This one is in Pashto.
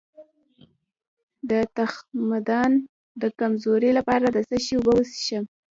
د تخمدان د کمزوری لپاره د څه شي اوبه وڅښم؟